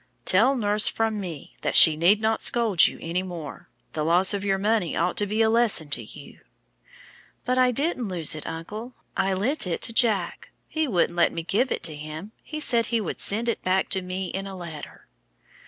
"Tell nurse from me that she is not to scold you any more. The loss of your money ought to be a lesson to you." "But I didn't lose it, uncle. I lent it to Jack. He wouldn't let me give it to him; he said he would send it back to me in a letter."